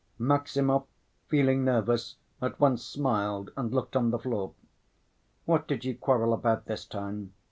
Maximov, feeling nervous, at once smiled and looked on the floor. "What did you quarrel about this time?"